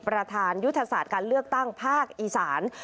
ประธานยุทธศาสตร์การเลือกตั้งภาคอีสาน